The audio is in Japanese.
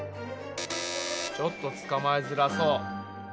ちょっと捕まえづらそう。